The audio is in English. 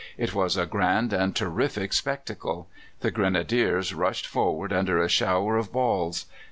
It was a grand and terrific spectacle. The Grenadiers rushed forward under a shower of balls.